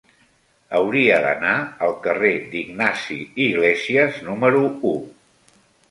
Hauria d'anar al carrer d'Ignasi Iglésias número u.